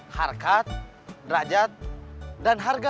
hardcard derajat dan harga